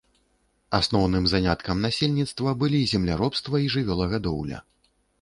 Асноўным заняткам насельніцтва былі земляробства і жывёлагадоўля.